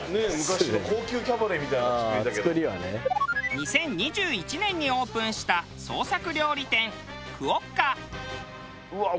２０２１年にオープンした創作料理店うわっ！